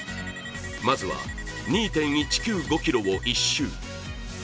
まずは２．１９５ｋｍを１周。